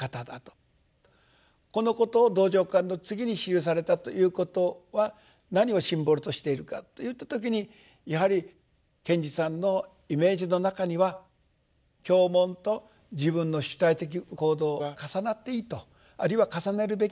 このことを道場観の次に記されたということは何をシンボルとしているかといった時にやはり賢治さんのイメージの中には経文と自分の主体的行動が重なっていいとあるいは重ねるべきだと。